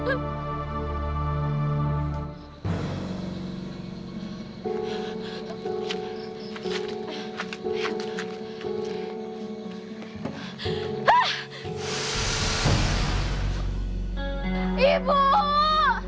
ini kan ikat rambut ibu